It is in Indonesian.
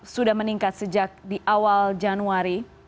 sudah meningkat sejak di awal januari